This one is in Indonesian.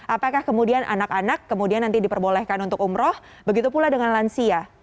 apakah kemudian anak anak kemudian nanti diperbolehkan untuk umroh begitu pula dengan lansia